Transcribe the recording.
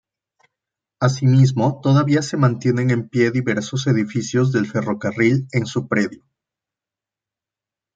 Asimismo todavía se mantienen en pie diversos edificios del ferrocarril en su predio.